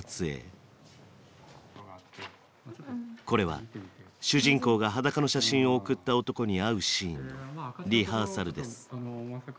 これは主人公が裸の写真を送った男に会うシーンのリハーサルです。